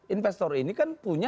investor ini kan punya